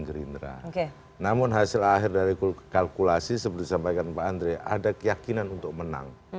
gerindra oke namun hasil akhir dari kalkulasi seperti disampaikan pak andre ada keyakinan untuk menang